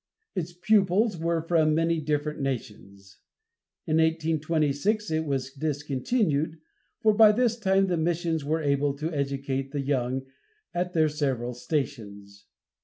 Its pupils were from many different nations. In 1826 it was discontinued, for by this time the missions were able to educate the young at their several stations.